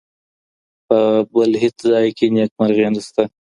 په بل هیڅ ځای کي نېکمرغي نسته.